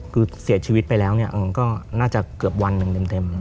คือเสียชีวิตไปแล้วก็น่าจะเกือบวันหนึ่งเต็ม